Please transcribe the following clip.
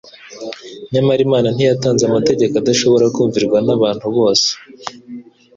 Nyamara Imana ntiyatanze amategeko adashobora kumvirwa n’abantu bose